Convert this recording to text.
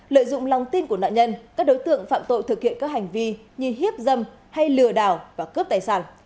lợi dụng lòng tin của nạn nhân các đối tượng phạm tội thực hiện các hành vi như hiếp dâm hay lừa đảo và cướp tài sản